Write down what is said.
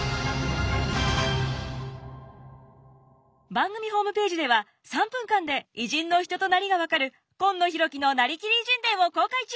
番組ホームページでは３分間で偉人の人となりが分かる「今野浩喜のなりきり偉人伝」を公開中！